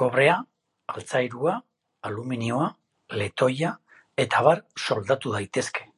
Kobrea, altzairua, aluminioa, letoia eta abar soldatu daitezke.